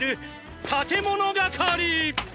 建物係っ！